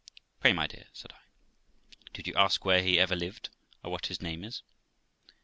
'Pray, my dear', said I, 'did you ask where he ever lived, or what his name is?'